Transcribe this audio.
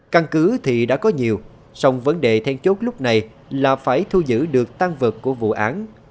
căn cứ thì đã có nhiều song vấn đề then chốt lúc này là phải thu giữ được tăng vật của vụ án